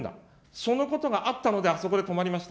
そのことがあったので、あそこで止まりました。